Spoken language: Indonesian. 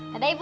ya udah ibu